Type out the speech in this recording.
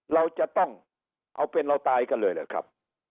เราจะต้องเอาเป็นเอาตายกันเลยเหรอครับ